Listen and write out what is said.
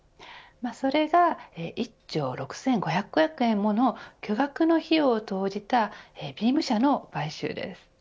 それが１兆６５００億円もの巨額の費用を投じたビーム社の買収です。